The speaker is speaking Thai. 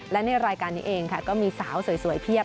และในรายการนี้เองค่ะก็มีสาวสวยเพียบ